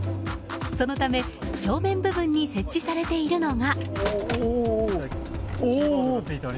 そのため正面部分に設置されているのが。